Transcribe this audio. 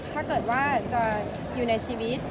ถ้าเกิดว่าจะอยู่ในชีวิต